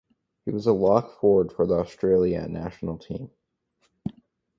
He was a lock-forward for the Australia national team.